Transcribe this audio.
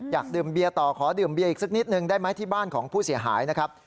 อยากดื่มเบียร์ต่อขอดื่มเบียร์อีกสักนิดนึงได้ไหมที่บ้านของผู้เสียหายนะครับ